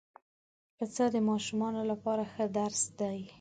پسه د ماشومانو لپاره ښه درس دی.